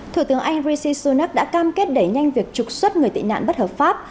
thủ tướng anh rishi sunak đã cam kết đẩy nhanh việc trục xuất người tị nạn bất hợp pháp